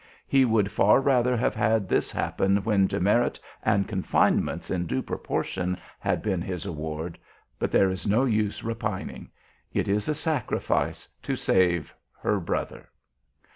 He would far rather have had this happen when demerit and "confinements" in due proportion had been his award, but there is no use repining. It is a sacrifice to save her brother.